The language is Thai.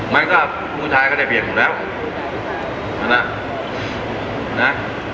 มันก็ผู้ชายก็ได้เปลี่ยนผมแล้วนะนะ